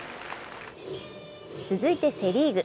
続いてセ・リーグ。